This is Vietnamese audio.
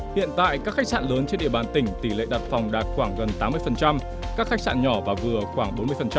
hiện tại các khách sạn lớn trên địa bàn tỉnh tỷ lệ đặt phòng đạt khoảng gần tám mươi các khách sạn nhỏ và vừa khoảng bốn mươi